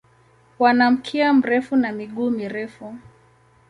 Wana mkia mrefu na miguu mirefu.